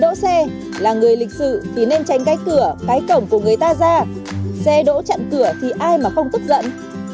không có biển cấm đỗ xe là người lịch sự thì nên tránh cái cửa cái cổng của người ta ra xe đỗ chặn cửa thì ai mà không tức giận